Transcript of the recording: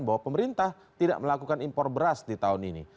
bahwa pemerintah tidak melakukan impor beras di tahun ini